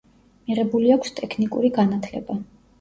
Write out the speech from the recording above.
მიღებული აქვს ტექნიკური განათლება.